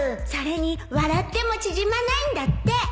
それに笑っても縮まないんだって